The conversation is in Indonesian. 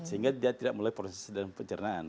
sehingga dia tidak melalui proses pencernaan